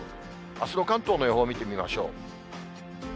あすの関東の予報見てみましょう。